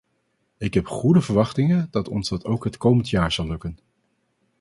Ik heb goede verwachtingen dat ons dat ook het komende jaar zal lukken.